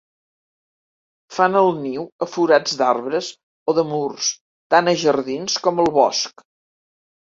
Fan el niu a forats d'arbres o de murs, tant a jardins com al bosc.